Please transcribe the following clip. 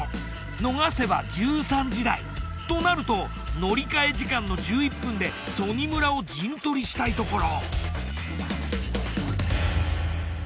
逃せば１３時台。となると乗り換え時間の１１分で曽爾村を陣取りしたいところ。